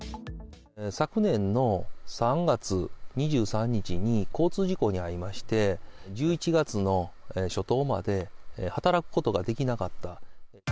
昨年の３月２３日に交通事故に遭いまして、１１月の初頭まで働くことができなかった。